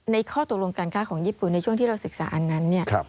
ข้อตกลงการค้าของญี่ปุ่นในช่วงที่เราศึกษาอันนั้นเนี่ย